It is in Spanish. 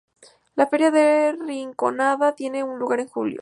La Feria de La Rinconada tiene lugar en julio.